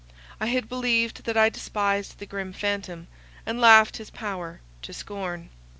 I had believed that I despised the grim phantom, and laughed his power to scorn.